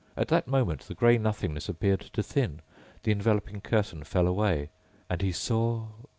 At that moment the gray nothingness appeared to thin ... the enveloping curtain fell away, and he saw....